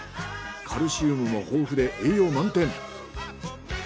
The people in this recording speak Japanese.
カルシウムも豊富で栄養満点。